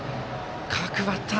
各バッター